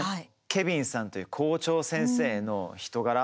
ケヴィンさんという校長先生の人柄